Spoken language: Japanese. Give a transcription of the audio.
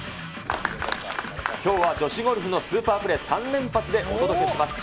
きょうは女子ゴルフのスーパープレー３連発でお届けします。